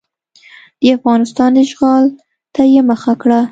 د افغانستان اشغال ته یې مخه کړه.